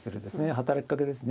働きかけですね。